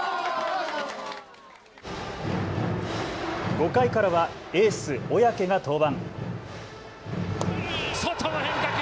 ５回からはエース、小宅が登板。